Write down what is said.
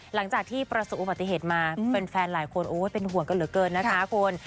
หลังจากที่ประสบอุบัติเหตุมาแฟนหลายคนโอ้ยเป็นห่วงกันเหลือเกินนะคะคุณ